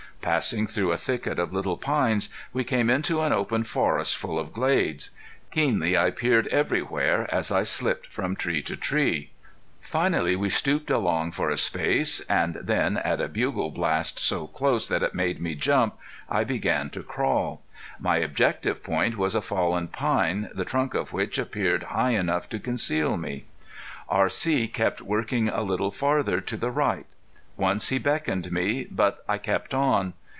Passing through a thicket of little pines we came into an open forest full of glades. Keenly I peered everywhere, as I slipped from tree to tree. Finally we stooped along for a space, and then, at a bugle blast so close that it made me jump, I began to crawl. My objective point was a fallen pine the trunk of which appeared high enough to conceal me. R.C. kept working a little farther to the right. Once he beckoned me, but I kept on.